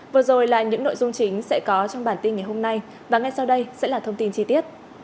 vừa rồi là những nội dung chính sẽ có trong bản tin ngày hôm nay và ngay sau đây sẽ là thông tin chi tiết